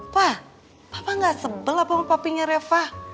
pa papa gak sebel apa sama papinya reva